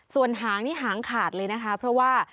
ส่วนหางนี่หางขาดเลยนะคะเพราะว่า